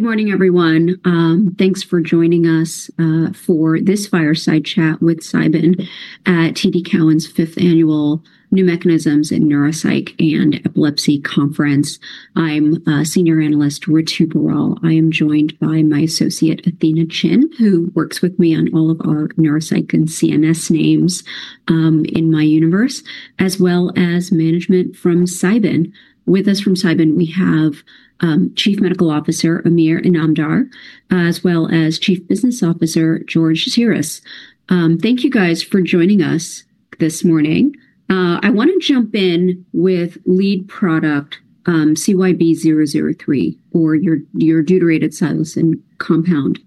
Good morning, everyone. Thanks for joining us for this fireside chat with Cybin Inc. at TD Cowen's fifth annual New Mechanisms in Neuropsych and Epilepsy Conference. I'm a Senior Analyst, Ritu Biral. I am joined by my Associate, Athena Chin, who works with me on all of our neuropsych and CNS names in my universe, as well as management from Cybin Inc. With us from Cybin Inc., we have Chief Medical Officer Dr. Amir Inamdar, as well as Chief Business Officer George Tziras. Thank you guys for joining us this morning. I want to jump in with lead product, CYB003, or your deuterated psilocybin compound,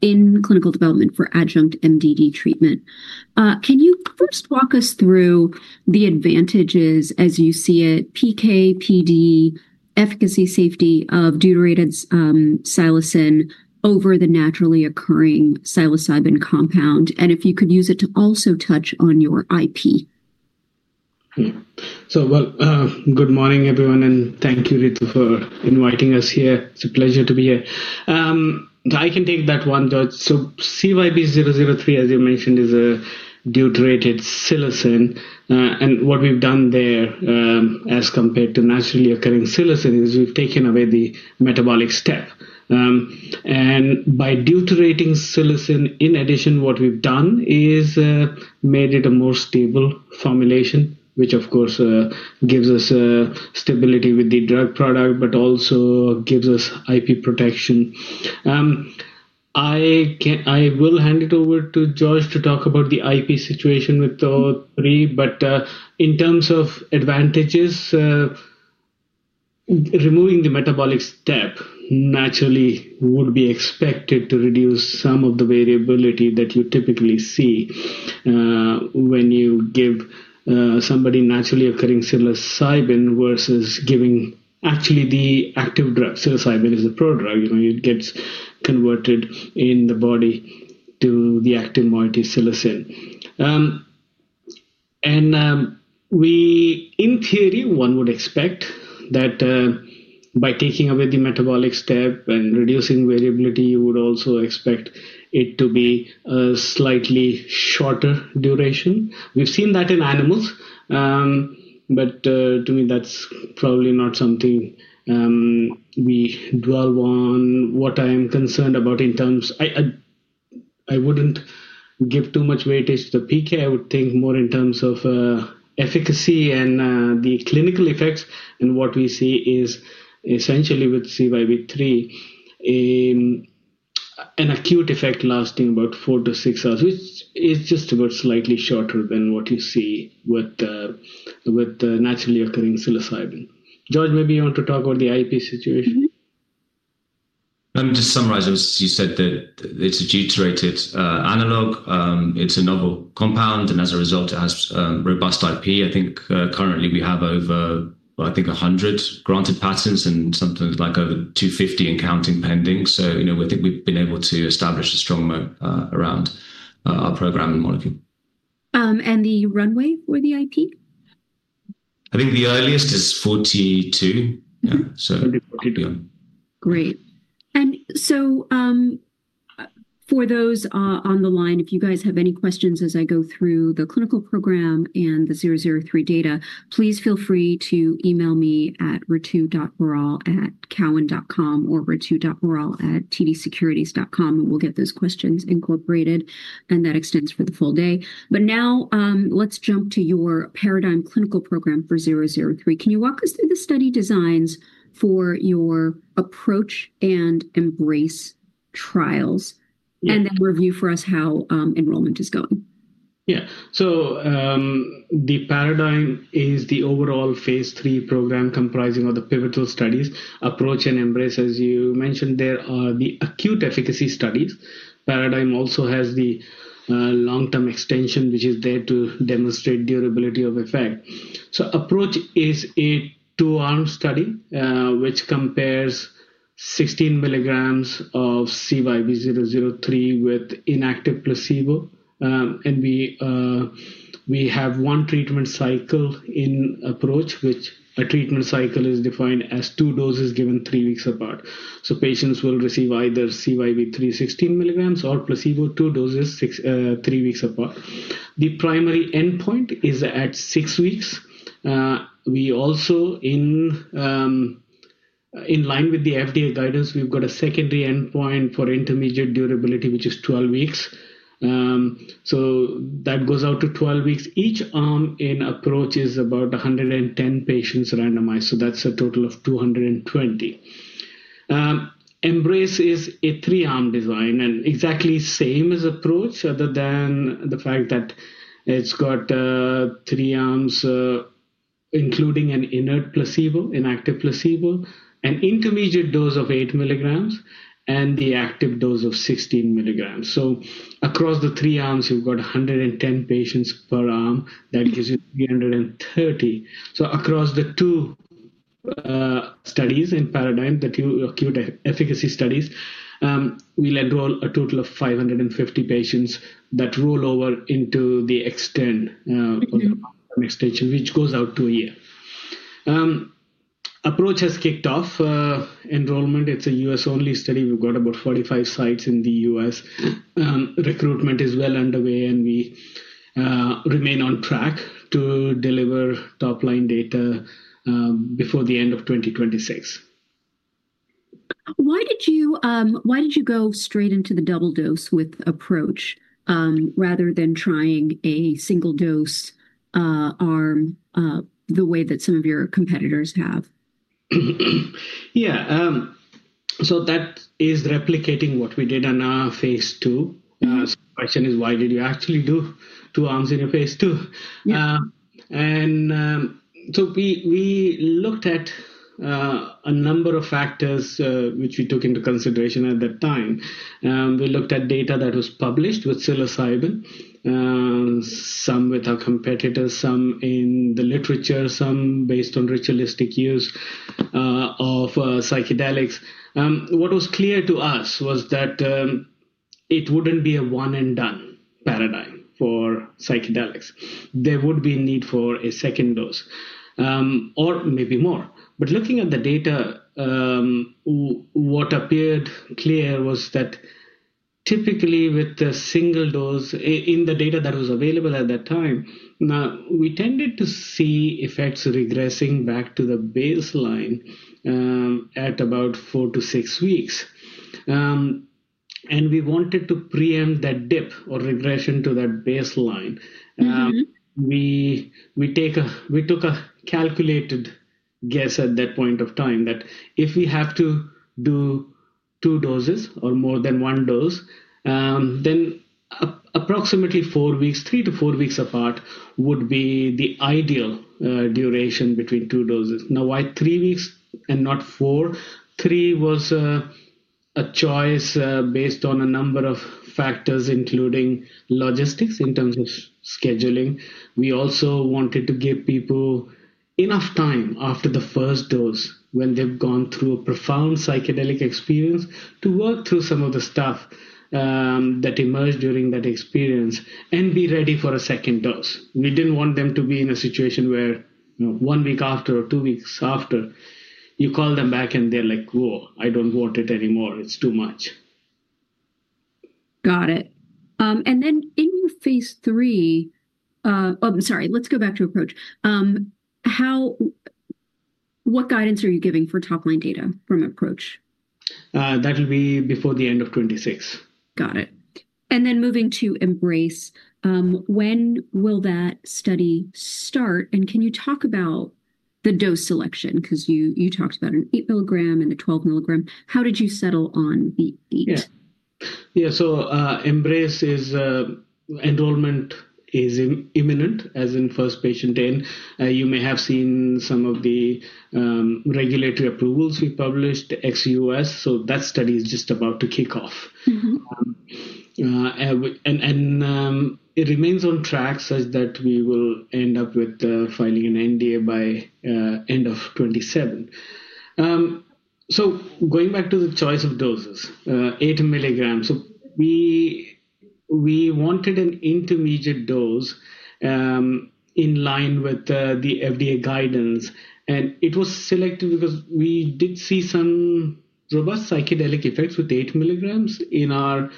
in clinical development for adjunctive major depressive disorder treatment. Can you first walk us through the advantages as you see it, PK, PD, efficacy, safety of deuterated psilocybin over the naturally occurring psilocybin compound, and if you could use it to also touch on your intellectual property? Yeah. Good morning, everyone, and thank you, Ritu, for inviting us here. It's a pleasure to be here. I can take that one, George. CYB003, as you mentioned, is a deuterated psilocybin. What we've done there, as compared to naturally occurring psilocybin, is we've taken away the metabolic step. By deuterating psilocybin, in addition, what we've done is made it a more stable formulation, which, of course, gives us stability with the drug product, but also gives us IP protection. I will hand it over to George to talk about the IP situation with those three, but in terms of advantages, removing the metabolic step naturally would be expected to reduce some of the variability that you typically see when you give somebody naturally occurring psilocybin versus giving actually the active drug. Psilocybin is a pro-drug. It gets converted in the body to the active moiety psilocin. In theory, one would expect that by taking away the metabolic step and reducing variability, you would also expect it to be a slightly shorter duration. We've seen that in animals. To me, that's probably not something we dwell on. What I am concerned about, I wouldn't give too much weight to the PK. I would think more in terms of efficacy and the clinical effects. What we see is essentially with CYB003, an acute effect lasting about four to six hours, which is just about slightly shorter than what you see with the naturally occurring psilocybin. George, maybe you want to talk about the IP situation? Let me just summarize those. You said that it's a deuterated analog. It's a novel compound, and as a result, it has a robust IP. I think currently we have over 100 granted patents and something like over 250 and counting pending. I think we've been able to establish a strong moment around our program and molecule. is the runway for the intellectual property? I think the earliest is 42. Yeah, so. Great. For those on the line, if you guys have any questions as I go through the clinical program and the 003 data, please feel free to email me at ritu.biral@cowen.com or ritu.biral@tdsecurities.com. We'll get those questions incorporated, and that extends for the full day. Now, let's jump to your Paradigm clinical program for 003. Can you walk us through the study designs for your Approach and Embrace trials, and then review for us how enrollment is going? Yeah. The Paradigm is the overall phase 3 program comprising the pivotal studies, Approach and Embrace. As you mentioned, there are the acute efficacy studies. Paradigm also has the long-term extension, which is there to demonstrate durability of effect. Approach is a two-arm study, which compares 16 milligrams of CYB003 with inactive placebo. We have one treatment cycle in Approach, which a treatment cycle is defined as two doses given three weeks apart. Patients will receive either CYB003 16 milligrams or placebo, two doses three weeks apart. The primary endpoint is at six weeks. We also, in line with the FDA guidance, have a secondary endpoint for intermediate durability, which is 12 weeks. That goes out to 12 weeks. Each arm in Approach is about 110 patients randomized. That's a total of 220. Embrace is a three-arm design and exactly the same as Approach, other than the fact that it's got three arms, including an inert placebo, inactive placebo, an intermediate dose of 8 milligrams, and the active dose of 16 milligrams. Across the three arms, you've got 110 patients per arm. That gives you 330. Across the two studies in Paradigm, the acute efficacy studies, we'll enroll a total of 550 patients that roll over into the Extend extension, which goes out to a year. Approach has kicked off enrollment. It's a US-only study. We've got about 45 sites in the US. Recruitment is well underway, and we remain on track to deliver top-line data before the end of 2026. Why did you go straight into the double dose with Approach, rather than trying a single dose arm the way that some of your competitors have? Yeah, so that is replicating what we did in our phase two. The question is, why did you actually do two arms in your phase two? We looked at a number of factors, which we took into consideration at that time. We looked at data that was published with psilocybin, some with our competitors, some in the literature, some based on ritualistic use of psychedelics. What was clear to us was that it wouldn't be a one-and-done paradigm for psychedelics. There would be a need for a second dose, or maybe more. Looking at the data, what appeared clear was that typically with the single dose in the data that was available at that time, we tended to see effects regressing back to the baseline at about four to six weeks. We wanted to preempt that dip or regression to that baseline. We took a calculated guess at that point of time that if we have to do two doses or more than one dose, then approximately four weeks, three to four weeks apart would be the ideal duration between two doses. Now, why three weeks and not four? Three was a choice, based on a number of factors, including logistics in terms of scheduling. We also wanted to give people enough time after the first dose when they've gone through a profound psychedelic experience to work through some of the stuff that emerged during that experience and be ready for a second dose. We didn't want them to be in a situation where, you know, one week after or two weeks after, you call them back and they're like, "Whoa, I don't want it anymore. It's too much. Got it. In phase three, oh, sorry, let's go back to Approach. What guidance are you giving for top-line data from Approach? That'll be before the end of 2026. Got it. Moving to Embrace, when will that study start? Can you talk about the dose selection? You talked about an 8 milligram and the 12 milligram. How did you settle on the 8? Yeah. Yeah. Embrace is, enrollment is imminent, as in first patient in. You may have seen some of the regulatory approvals we published, ex-US, so that study is just about to kick off. It remains on track such that we will end up with filing an NDA by end of 2027. Going back to the choice of doses, 8 milligrams, we wanted an intermediate dose, in line with the FDA guidance. It was selected because we did see some robust psychedelic effects with 8 milligrams in our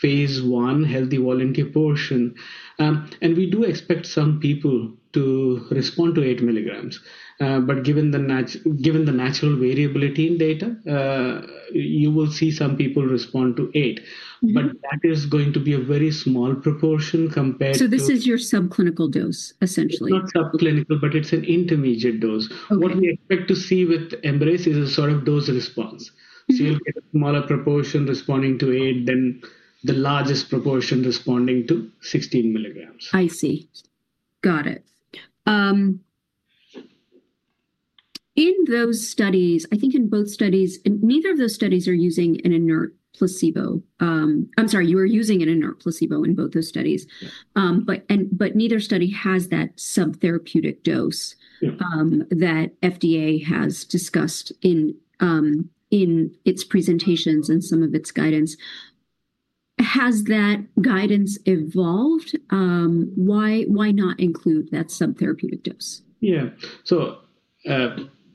phase one healthy volunteer portion. We do expect some people to respond to 8 milligrams. Given the natural variability in data, you will see some people respond to 8. That is going to be a very small proportion compared to. This is your subclinical dose, essentially. Not subclinical, but it's an intermediate dose. What we expect to see with Embrace is a sort of dose response. You'll get a smaller proportion responding to 8, then the largest proportion responding to 16 milligrams. I see. Got it. In those studies, I think in both studies, neither of those studies are using an inert placebo. I'm sorry, you were using an inert placebo in both those studies, but neither study has that subtherapeutic dose that the FDA has discussed in its presentations and some of its guidance. Has that guidance evolved? Why not include that subtherapeutic dose? Yeah.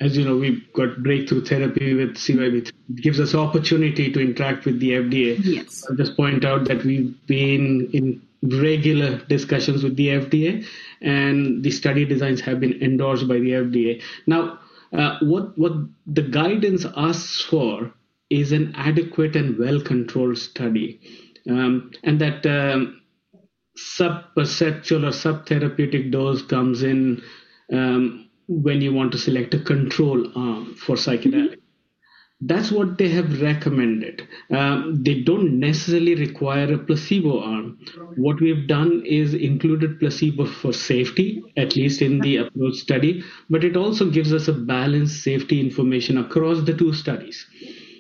As you know, we've got breakthrough therapy with CYB003. It gives us the opportunity to interact with the FDA. I'll just point out that we've been in regular discussions with the FDA, and the study designs have been endorsed by the FDA. What the guidance asks for is an adequate and well-controlled study, and that subperceptual or subtherapeutic dose comes in when you want to select a control arm for psychedelics. That's what they have recommended. They don't necessarily require a placebo arm. What we have done is included placebo for safety, at least in the Approach study, but it also gives us balanced safety information across the two studies.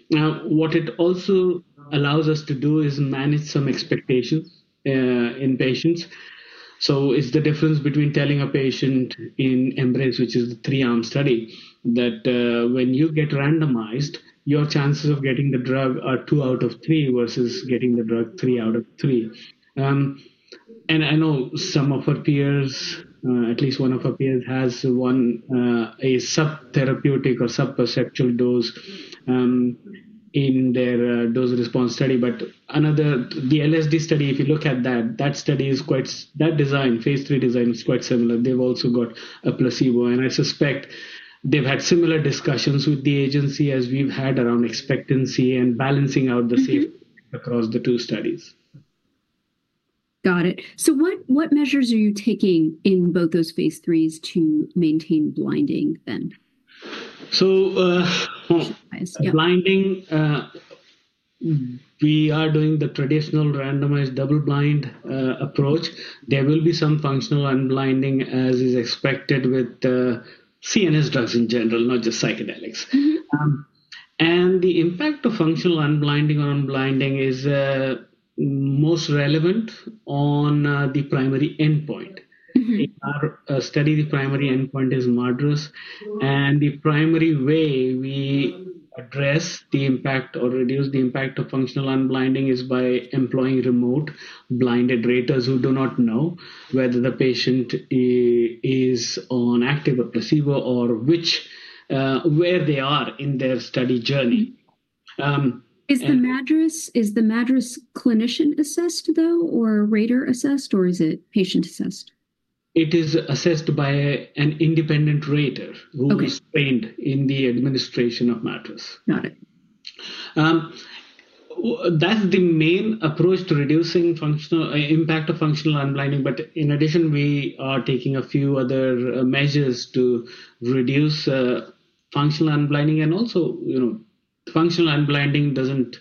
What it also allows us to do is manage some expectations in patients. It's the difference between telling a patient in Embrace, which is the three-arm study, that when you get randomized, your chances of getting the drug are two out of three versus getting the drug three out of three. I know some of our peers, at least one of our peers has a subtherapeutic or subperceptual dose in their dose response study. Another, the LSD study, if you look at that, that study is quite, that design, phase 3 design is quite similar. They've also got a placebo, and I suspect they've had similar discussions with the agency as we've had around expectancy and balancing out the safety across the two studies. What measures are you taking in both those phase threes to maintain blinding then? We are doing the traditional randomized double-blind approach. There will be some functional unblinding, as is expected with CNS drugs in general, not just psychedelics. The impact of functional unblinding on blinding is most relevant on the primary endpoint. In our study, the primary endpoint is MADRS. The primary way we address the impact or reduce the impact of functional unblinding is by employing remote blinded raters who do not know whether the patient is on active or placebo or where they are in their study journey. Is the MADRS, is the MADRS clinician-assessed, though, or a rater-assessed, or is it patient-assessed? It is assessed by an independent rater who is trained in the administration of MADRS. Got it. That's the main approach to reducing the impact of functional unblinding. In addition, we are taking a few other measures to reduce functional unblinding. Also, you know, functional unblinding doesn't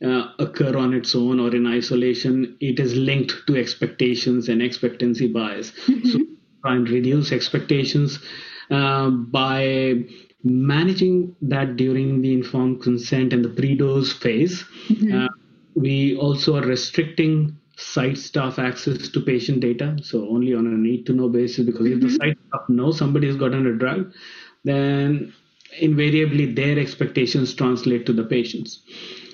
occur on its own or in isolation. It is linked to expectations and expectancy bias. We try and reduce expectations by managing that during the informed consent and the pre-dose phase. We also are restricting site staff access to patient data only on a need-to-know basis, because if the site staff knows somebody has gotten a drug, then invariably their expectations translate to the patients.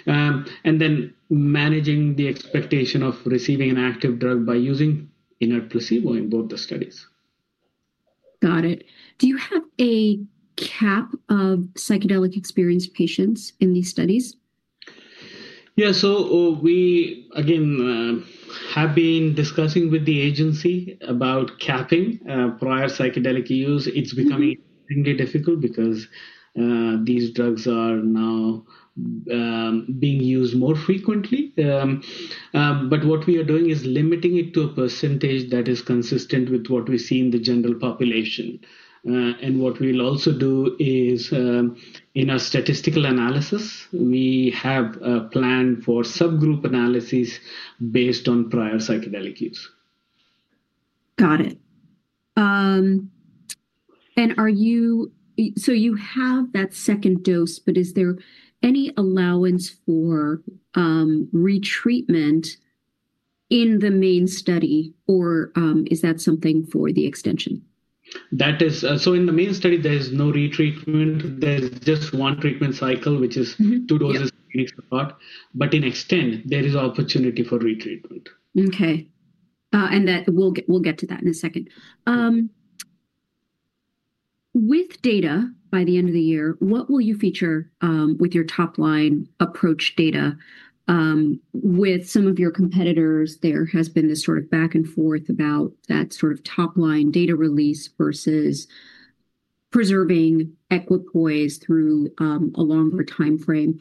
We are also managing the expectation of receiving an active drug by using inert placebo in both the studies. Got it. Do you have a cap of psychedelic experience patients in these studies? Yeah. We have been discussing with the agency about capping prior psychedelic use. It's becoming extremely difficult because these drugs are now being used more frequently. What we are doing is limiting it to a % that is consistent with what we see in the general population. What we will also do is, in our statistical analysis, we have a plan for subgroup analysis based on prior psychedelic use. Got it. Are you, so you have that second dose, but is there any allowance for retreatment in the main study, or is that something for the extension? That is, in the main study, there is no retreatment. There's just one treatment cycle, which is two doses three weeks apart. In Extend, there is opportunity for retreatment. Okay, and we'll get to that in a second. With data by the end of the year, what will you feature with your top-line Approach data? With some of your competitors, there has been this sort of back and forth about that sort of top-line data release versus preserving equipoise through a longer time frame.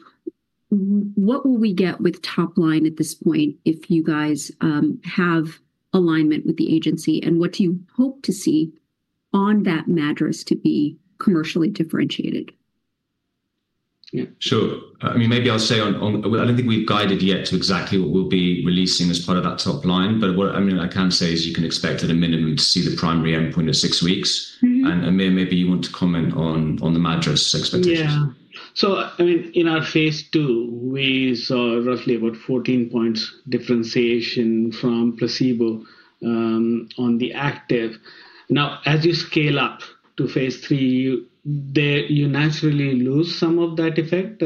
What will we get with top-line at this point if you guys have alignment with the agency? What do you hope to see on that MADRS to be commercially differentiated? Yeah. Sure. I mean, maybe I'll say I don't think we've guided yet to exactly what we'll be releasing as part of that top-line. What I can say is you can expect at a minimum to see the primary endpoint at six weeks. Amir, maybe you want to comment on the MADRS expectations. Yeah. In our phase two, we saw roughly about 14 points differentiation from placebo on the active. As you scale up to phase three, you naturally lose some of that effect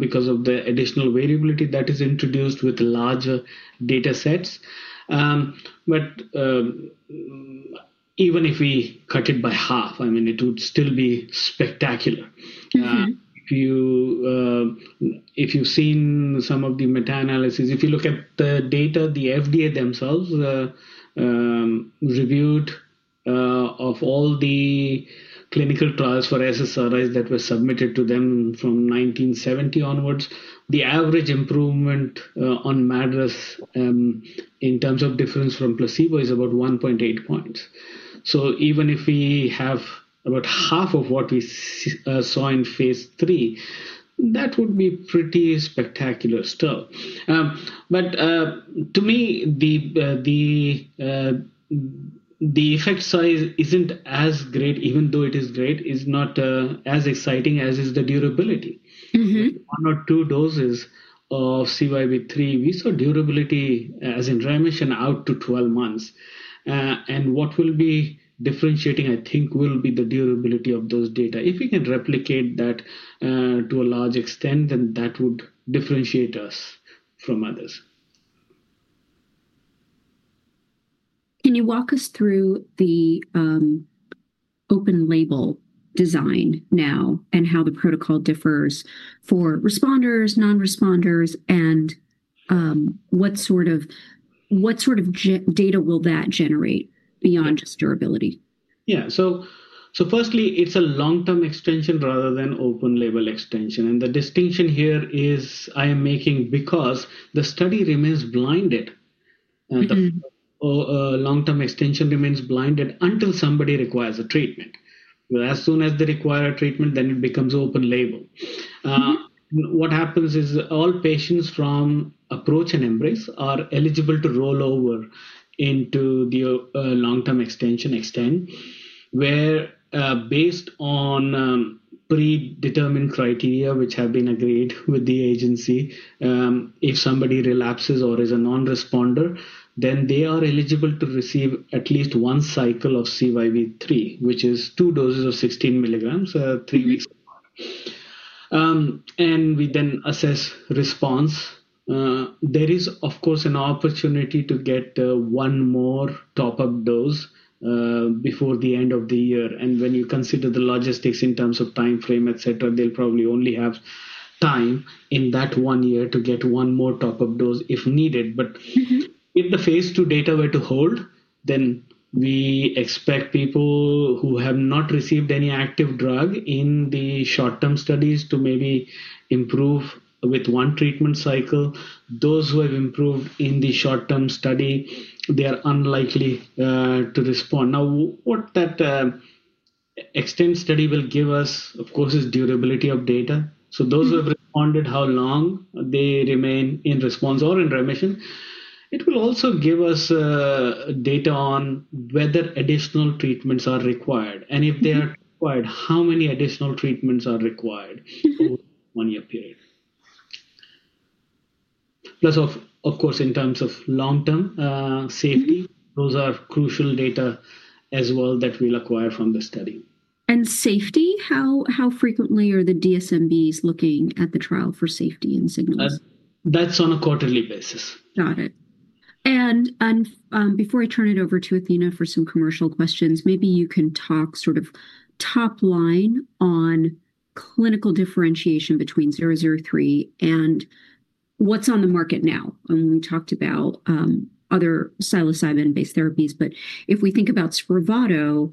because of the additional variability that is introduced with the larger data sets. Even if we cut it by half, it would still be spectacular. If you've seen some of the meta-analysis, if you look at the data, the FDA themselves reviewed all the clinical trials for SSRIs that were submitted to them from 1970 onwards. The average improvement on MADRS in terms of difference from placebo is about 1.8 points. Even if we have about half of what we saw in phase three, that would be pretty spectacular still. To me, the effect size isn't as great, even though it is great, it is not as exciting as the durability. Not two doses of CYB003, we saw durability, as Ramesh said, out to 12 months. What will be differentiating, I think, will be the durability of those data. If we can replicate that to a large extent, then that would differentiate us from others. Can you walk us through the open label design now and how the protocol differs for responders, non-responders, and what sort of data will that generate beyond just durability? Yeah. Firstly, it's a long-term extension rather than open-label extension. The distinction here is I am making because the study remains blinded. The long-term extension remains blinded until somebody requires a treatment. As soon as they require a treatment, then it becomes open-label. What happens is all patients from Approach and Embrace are eligible to roll over into the long-term extension, Extend, where, based on predetermined criteria, which have been agreed with the agency, if somebody relapses or is a non-responder, then they are eligible to receive at least one cycle of CYB003, which is two doses of 16 milligrams, three weeks. We then assess response. There is, of course, an opportunity to get one more top-up dose before the end of the year. When you consider the logistics in terms of time frame, etc., they'll probably only have time in that one year to get one more top-up dose if needed. In the phase two data where to hold, we expect people who have not received any active drug in the short-term studies to maybe improve with one treatment cycle. Those who have improved in the short-term study, they are unlikely to respond. What that Extend study will give us, of course, is durability of data. Those who have responded, how long they remain in response or in remission, it will also give us data on whether additional treatments are required. If they are required, how many additional treatments are required over a one-year period. In terms of long-term safety, those are crucial data as well that we'll acquire from the study. How frequently are the DSMBs looking at the trial for safety and signals? That's on a quarterly basis. Got it. Before I turn it over to Athena for some commercial questions, maybe you can talk sort of top line on clinical differentiation between CYB003 and what's on the market now. We talked about other psilocybin-based therapies, but if we think about Spravato,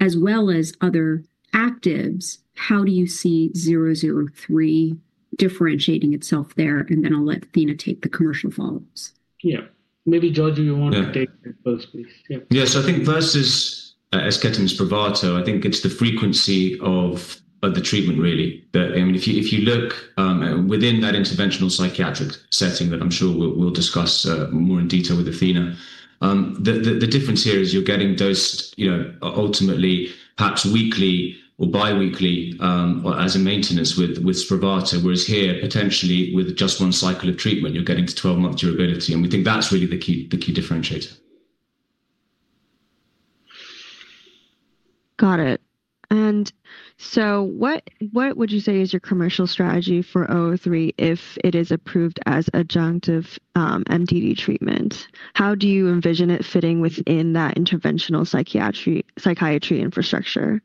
as well as other actives, how do you see CYB003 differentiating itself there? I'll let Athena take the commercial follow-ups. Yeah. Maybe, George, you want to take the first piece. Yeah. I think first is, as with Spravato, I think it's the frequency of the treatment, really. I mean, if you look within that interventional psychiatric setting that I'm sure we'll discuss more in detail with Athena, the difference here is you're getting dosed, you know, ultimately perhaps weekly or biweekly as a maintenance with Spravato, whereas here, potentially with just one cycle of treatment, you're getting to 12-month durability. We think that's really the key differentiator. Got it. What would you say is your commercial strategy for CYB003 if it is approved as adjunctive MDD treatment? How do you envision it fitting within that interventional psychiatry infrastructure?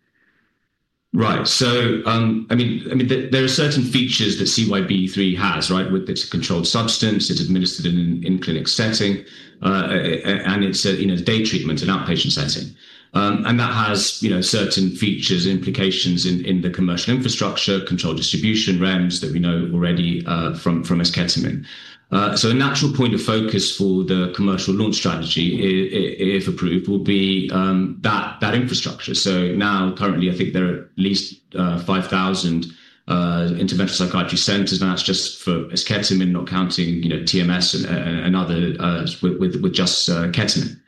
Right. There are certain features that CYB003 has, with its controlled substance. It's administered in an in-clinic setting, and it's a day treatment, an outpatient setting. That has certain features and implications in the commercial infrastructure, controlled distribution REMS that we know already from Spravato. The natural point of focus for the commercial launch strategy, if approved, will be that infrastructure. Currently, I think there are at least 5,000 interventional psychiatry centers, and that's just for Spravato, not counting TMS and others with just Ketamine.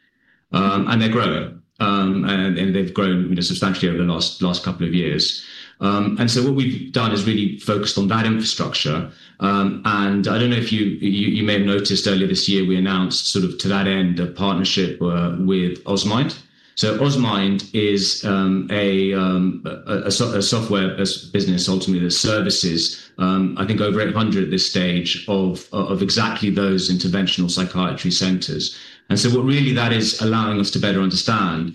They're growing, and they've grown substantially over the last couple of years. What we've done is really focused on that infrastructure. Earlier this year, we announced, to that end, a partnership with Osmind. Osmind is a software business, ultimately a services business. It can go over 800 at this stage of exactly those interventional psychiatry centers. What that is allowing us to better understand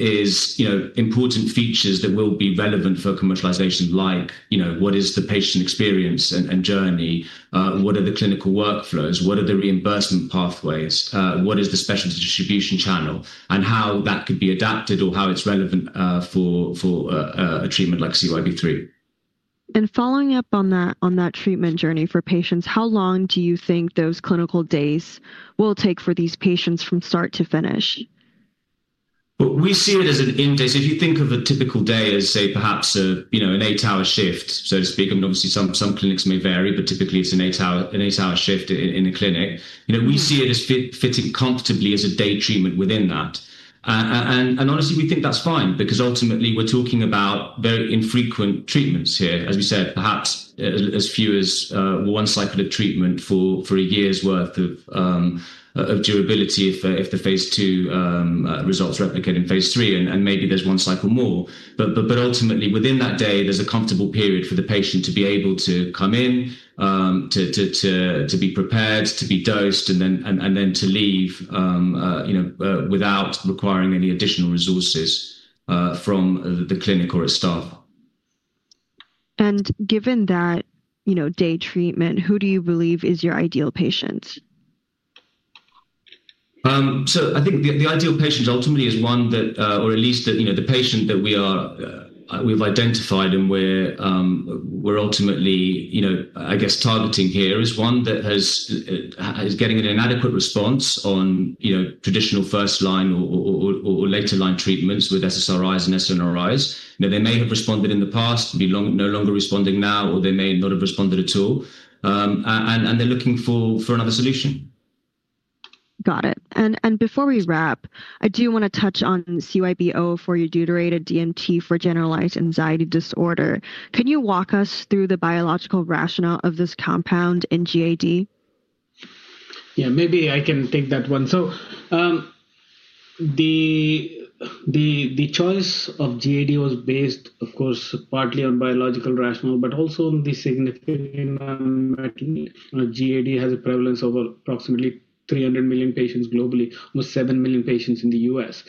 is important features that will be relevant for commercialization, like what is the patient experience and journey, what are the clinical workflows, what are the reimbursement pathways, what is the specialty distribution channel, and how that could be adapted or how it's relevant for a treatment like CYB003. Following up on that treatment journey for patients, how long do you think those clinical days will take for these patients from start to finish? We see it as an in-day. If you think of a typical day as, say, perhaps an eight-hour shift, so to speak, obviously, some clinics may vary, but typically, it's an eight-hour shift in a clinic. We see it as fitting comfortably as a day treatment within that. Honestly, we think that's fine because ultimately, we're talking about very infrequent treatments here. As we said, perhaps as few as one cycle of treatment for a year's worth of durability if the phase 2 results replicate in phase 3, and maybe there's one cycle more. Ultimately, within that day, there's a comfortable period for the patient to be able to come in, to be prepared, to be dosed, and then to leave without requiring any additional resources from the clinic or its staff. Given that, you know, day treatment, who do you believe is your ideal patient? I think the ideal patient ultimately is one that, or at least the patient that we have identified and we're ultimately targeting here, is one that is getting an inadequate response on traditional first-line or later-line treatments with SSRIs and SNRIs. They may have responded in the past, be no longer responding now, or they may not have responded at all. They're looking for another solution. Got it. Before we wrap, I do want to touch on CYB004 for your deuterated DMT for generalized anxiety disorder. Can you walk us through the biological rationale of this compound in GAD? Yeah, maybe I can take that one. The choice of GAD was based, of course, partly on biological rationale, but also on the significant amount of GAD has a prevalence of approximately 300 million patients globally, almost 7 million patients in the US.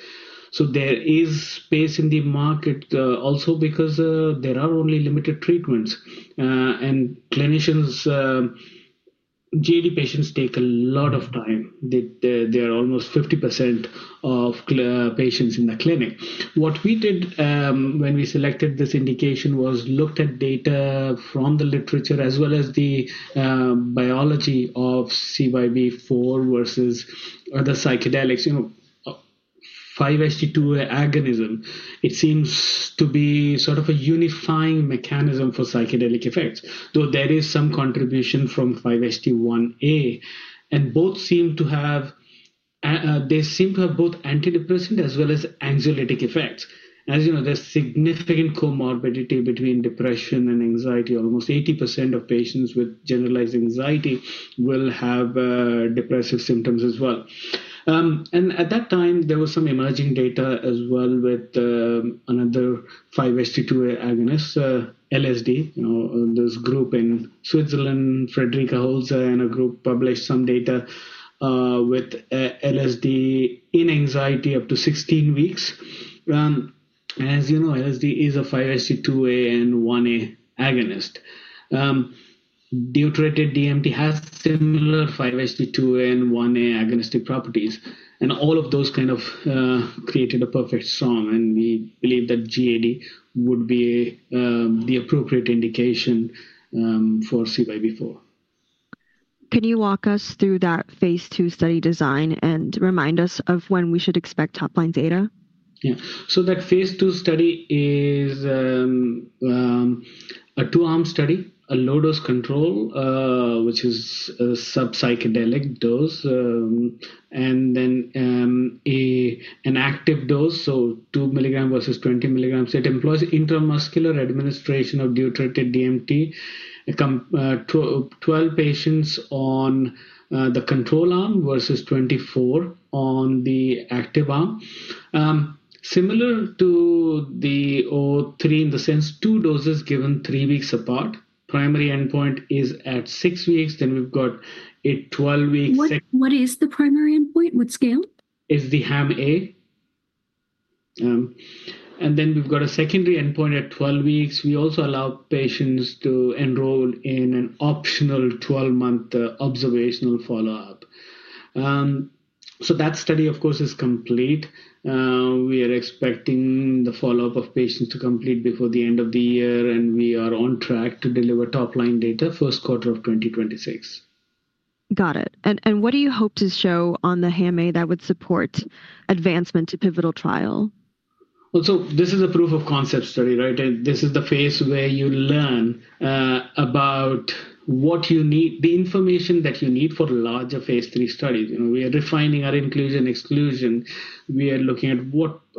There is space in the market also because there are only limited treatments. Clinicians, GAD patients take a lot of time. They are almost 50% of patients in the clinic. What we did when we selected this indication was look at data from the literature as well as the biology of CYB004 versus other psychedelics. You know, 5-HT2A/1A agonism, it seems to be sort of a unifying mechanism for psychedelic effects, though there is some contribution from 5-HT1A. Both seem to have, they seem to have both antidepressant as well as anxiolytic effects. As you know, there's significant comorbidity between depression and anxiety. Almost 80% of patients with generalized anxiety will have depressive symptoms as well. At that time, there was some emerging data as well with another 5-HT2A agonist, LSD. This group in Switzerland, Frederica Holzer and a group published some data with LSD in anxiety up to 16 weeks. As you know, LSD is a 5-HT2A and 1A agonist. Deuterated DMT has similar 5-HT2A and 1A agonistic properties. All of those kind of created a perfect song. We believe that GAD would be the appropriate indication for CYB004. Can you walk us through that phase two study design and remind us of when we should expect top-line data? Yeah. That phase two study is a two-arm study, a low-dose control, which is a subpsychedelic dose, and an active dose, so 2 milligrams versus 20 milligrams. It employs intramuscular administration of deuterated DMT, 12 patients on the control arm versus 24 on the active arm. Similar to the 03 in the sense two doses given three weeks apart. Primary endpoint is at six weeks. We've got a 12-week second. What is the primary endpoint? What scale? It's the HAM-A. We've got a secondary endpoint at 12 weeks. We also allow patients to enroll in an optional 12-month observational follow-up. That study, of course, is complete. We are expecting the follow-up of patients to complete before the end of the year, and we are on track to deliver top-line data first quarter of 2026. What do you hope to show on the HAM-A that would support advancement to pivotal trial? Also, this is a proof-of-concept study, right? This is the phase where you learn about what you need, the information that you need for larger phase 3 studies. We are defining our inclusion and exclusion. We are looking at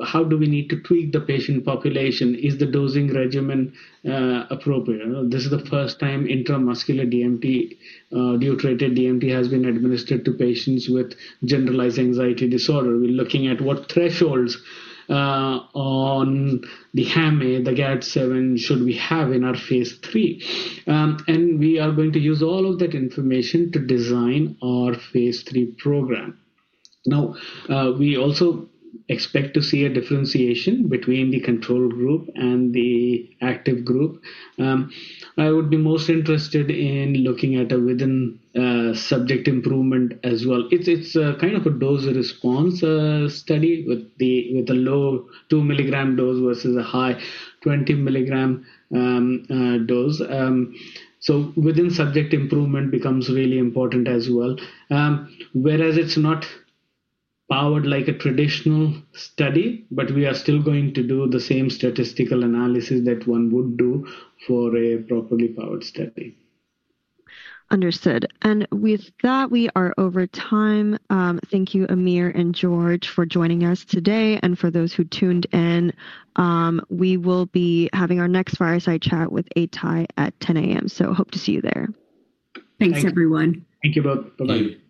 how do we need to tweak the patient population. Is the dosing regimen appropriate? This is the first time intramuscular DMT, deuterated DMT, has been administered to patients with generalized anxiety disorder. We're looking at what thresholds on the HAM-A, the GAD-7, should we have in our phase 3. We are going to use all of that information to design our phase 3 program. We also expect to see a differentiation between the control group and the active group. I would be most interested in looking at a within-subject improvement as well. It's a kind of a dose response study with a low 2 milligram dose versus a high 20 milligram dose. Within-subject improvement becomes really important as well. It is not powered like a traditional study, but we are still going to do the same statistical analysis that one would do for a properly powered study. Understood. With that, we are over time. Thank you, Amir and George, for joining us today. For those who tuned in, we will be having our next fireside chat with Atai at 10:00 A.M. Hope to see you there. Thanks, everyone. Thank you both. Bye-bye.